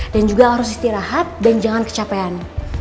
dan juga harus istirahat dan jangan kecapean